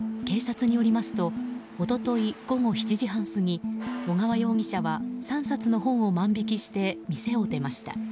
警察によりますと一昨日午後７時半過ぎ小川容疑者は３冊の本を万引きして店を出ました。